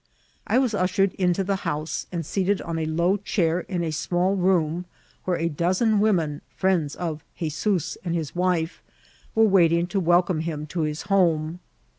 I was ushered into the house, and seated on a low chair in a small room where a dozen women, friends of 'He zoos and his wife, were waiting to welcome him to his home.